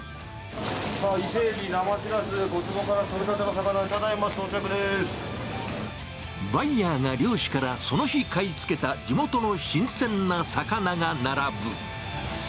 伊勢エビ、生シラス、小坪から取れたての魚、バイヤーが漁師からその日買い付けた地元の新鮮な魚が並ぶ。